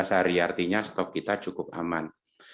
empat belas hari artinya stok kita cukup aman